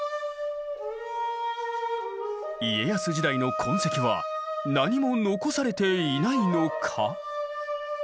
家康時代の痕跡は何も残されていないのか？